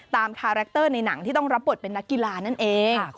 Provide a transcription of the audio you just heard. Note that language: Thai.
คาแรคเตอร์ในหนังที่ต้องรับบทเป็นนักกีฬานั่นเอง